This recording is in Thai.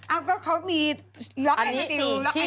อ้าวก็เขามีล็อกแบบนี้สิ